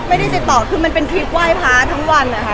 ไม่ได้ติดต่อคือมันเป็นทริปไหว้พระทั้งวันนะคะ